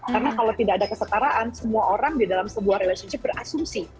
karena kalau tidak ada kesetaraan semua orang di dalam sebuah relationship berasumsi